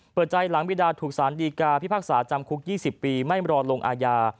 เปิดใจหลังบิดาถูกสารดีกาพิพากษาจำคุก๒๐ปีไม่รอลงอาญา